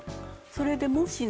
それでもしね